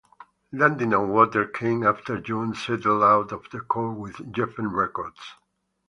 "Landing on Water" came after Young settled out of court with Geffen Records.